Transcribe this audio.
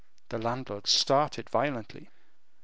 The landlord started violently.